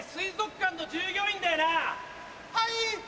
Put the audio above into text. はい！